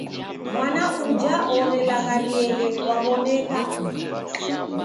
Mwana uja orelagharieghe waw'oneka.